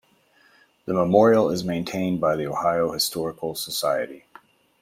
The memorial is maintained by the Ohio Historical Society.